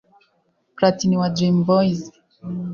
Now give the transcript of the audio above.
Platini wa Dream Boyz